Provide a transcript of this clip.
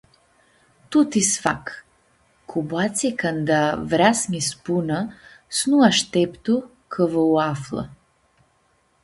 “Tuti s-fac”, cu boatsi canda vrea s-nji spunã s-nu ashteptu cã va u-aflã.